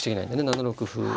７六歩。